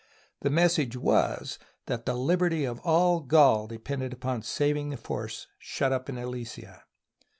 The mes sage was that the liberty of all Gaul depended upon saving the force shut up in Alesia.